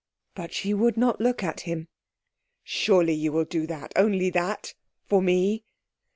But she would not look at him. "Surely you will do that only that for me."